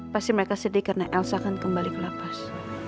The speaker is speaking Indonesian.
pasti mereka sedih karena elsa akan kembali ke lapas